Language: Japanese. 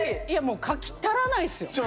いやもう書き足らないですよ。